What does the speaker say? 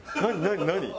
何？